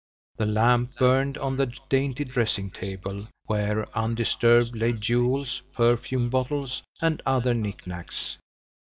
The lamp burned on the dainty dressing table, where undisturbed lay jewels, perfume bottles and other knickknacks.